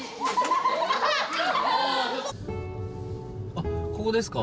あっここですか？